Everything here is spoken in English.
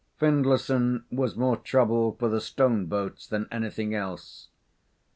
Findlayson was more troubled for the stoneboats than anything else.